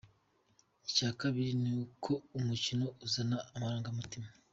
Icya kabiri ni uko ari umukino uzana amarangamutima.